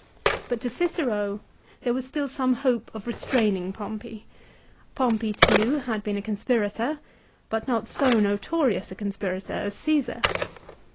But to Cicero there was still some hope of restraining Pompey. Pompey too had been a conspirator, but not so notorious a conspirator as Caesar.